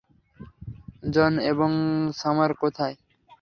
জন এবং সামার কোথায়?